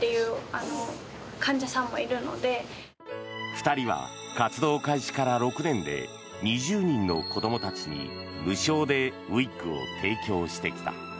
２人は活動開始から６年で２０人の子どもたちに無償でウィッグを提供してきた。